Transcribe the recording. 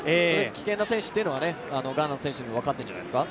危険な選手っていうのはガーナの選手も分かってるんじゃないですか？